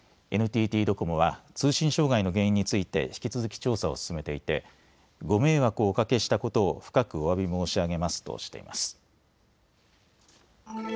ＮＴＴドコモは通信障害の原因について引き続き調査を進めていてご迷惑をおかけしたことを深くおわび申し上げますとしています。